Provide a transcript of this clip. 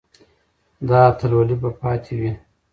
دا اتلولي به پاتې وي.